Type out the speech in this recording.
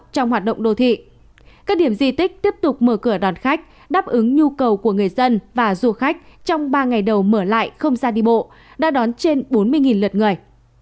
các điểm di tích tiếp tục mở cửa đoàn khách đáp ứng nhu cầu của người dân và du khách trong ba ngày đầu mở lại không gian đi bộ đã đón trên bốn mươi lượt người